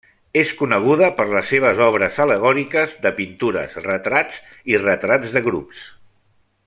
És coneguda per les seves obres al·legòriques de pintures, retrats i retrats de grups.